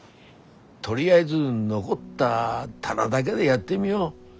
とりあえず残った棚だげでやってみよう。